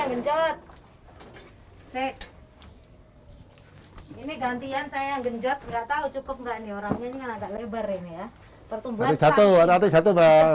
kita lihat tau cukup ga ini orangnya ini yang agak lebar